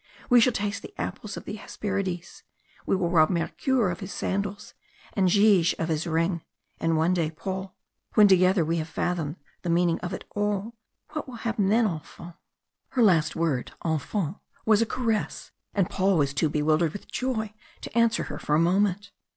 We shall taste the apples of the Hesperides we will rob Mercure of his sandals and Gyges of his ring. And one day, Paul when together we have fathomed the meaning of it all what will happen then, enfant?" Her last word, "enfant," was a caress, and Paul was too bewildered with joy to answer her for a moment.